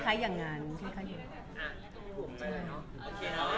คล้ายอย่างงานคล้ายอย่างงาน